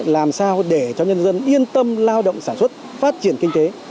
làm sao để cho nhân dân yên tâm lao động sản xuất phát triển kinh tế